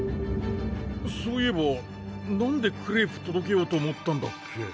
そういえばなんでクレープとどけようと思ったんだっけ？